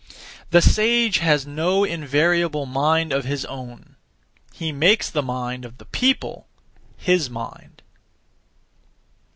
The sage has no invariable mind of his own; he makes the mind of the people his mind.